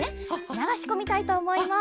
ながしこみたいとおもいます。